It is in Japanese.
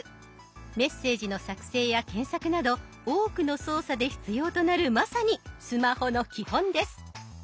メッセージの作成や検索など多くの操作で必要となるまさにスマホの基本です。